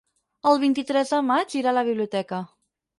El vint-i-tres de maig irà a la biblioteca.